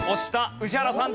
宇治原さん